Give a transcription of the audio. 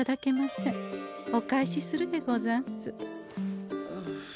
お返しするでござんす。